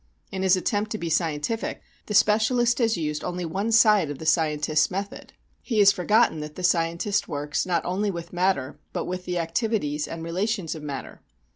In his attempt to be scientific the specialist has used only one side of the scientist's method; he has forgotten that the scientist works not only with matter, but with the activities and relations of matter.